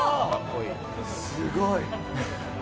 すごい！